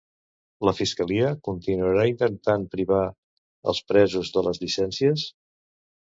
La fiscalia continuarà intentant privar els presos de les llicències?